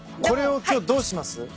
これを今日どうします？